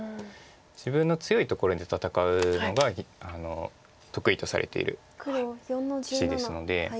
自分の強いところで戦うのが得意とされている棋士ですので。